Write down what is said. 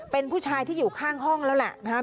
เป็นผู้ชายที่อยู่ข้างห้องแล้วแหละนะครับ